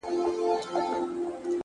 • هغو وژلي هغوی تباه کړو ,